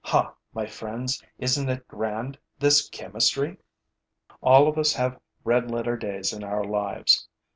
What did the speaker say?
Ha, my friends, isn't it grand, this chemistry! All of us have red letter days in our lives.